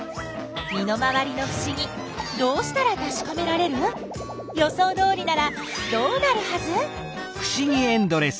身の回りのふしぎどうしたらたしかめられる？予想どおりならどうなるはず？